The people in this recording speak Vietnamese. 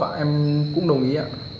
và em cũng đồng ý